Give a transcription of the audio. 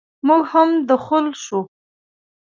موږ هم دخول شوو.